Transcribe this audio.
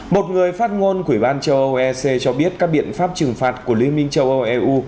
một người phát ngôn của ủy ban châu âu ec cho biết các biện pháp trừng phạt của liên minh châu âu eu